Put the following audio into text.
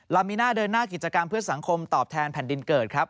มิน่าเดินหน้ากิจกรรมเพื่อสังคมตอบแทนแผ่นดินเกิดครับ